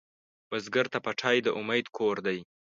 بزګر ته پټی د امید کور دی